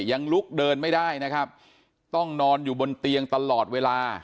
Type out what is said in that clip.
ยังลุกเดินไม่ได้นะครับต้องนอนอยู่บนเตียงตลอดเวลา